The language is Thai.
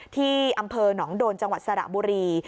ที่อำเภอหนองโดนจังหวัดสระบุรี